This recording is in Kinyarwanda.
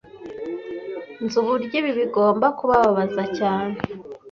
Nzi uburyo ibi bigomba kubabaza cyane